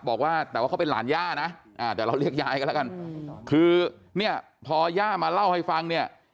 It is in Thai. บอกว่าแต่ว่าเขาเป็นหลานย่านะแต่เราเรียกยายกันแล้วกันคือเนี่ยพอย่ามาเล่าให้ฟังเนี่ย